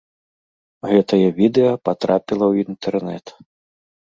Гэтае відэа патрапіла ў інтэрнэт.